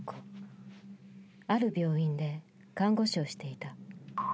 ある病院で看護師をしていた。